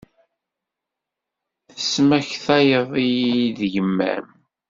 Tesmaktayeḍ-iyi-d yemma-m.